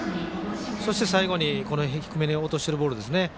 そして、最後に低めに落としてるボールですね。